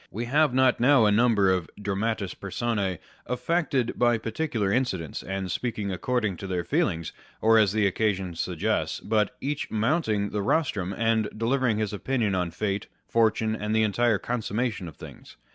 We have not now a number of dramatis personce affected by particular incidents and speaking according to their feelings, or as the occasion suggests, but each mounting the rostrum, and delivering his opinion on fate, fortune, and the entire consummation of things.